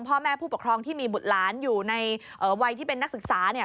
พ่อแม่ผู้ปกครองที่มีบุตรหลานอยู่ในวัยที่เป็นนักศึกษา